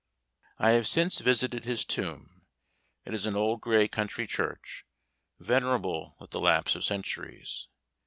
I have since visited his tomb. It is in an old gray country church, venerable with the lapse of centuries.